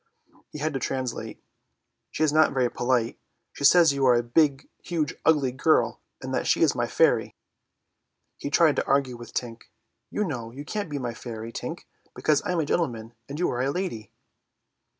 He had to translate. "She is not very polite. She says you are a great ugly girl, and that she is my fairy." He tried to argue with Tink. "You know you can't be my fairy, Tink, because I am an gentleman and you are a lady."